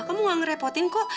kamu gak ngerepotin kok